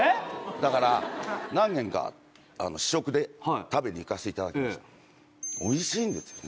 だから何軒か試食で食べに行かせていただきましたおいしいんですよね